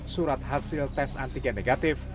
surat hasil tes antigen negatif